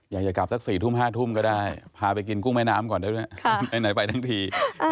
อยากจะกลับสัก๔ทุ่ม๕ทุ่มก็ได้พาไปกินกุ้งแม่น้ำก่อนได้ด้วยไหนไปทั้งที